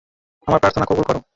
আমার প্রার্থনা কবুল কর।